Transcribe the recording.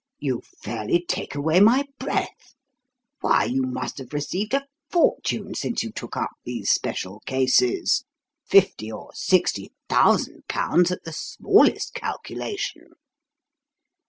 "You fairly take away my breath. Why, you must have received a fortune since you took up these special cases. Fifty or sixty thousand pounds at the smallest calculation."